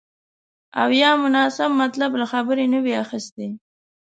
او یا مو ناسم مطلب له خبرې نه وي اخیستی